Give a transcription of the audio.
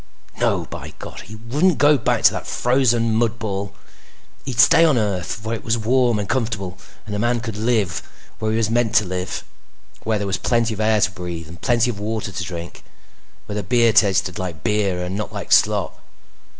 No, by God! He wouldn't go back to that frozen mud ball! He'd stay on Earth, where it was warm and comfortable and a man could live where he was meant to live. Where there was plenty of air to breathe and plenty of water to drink. Where the beer tasted like beer and not like slop.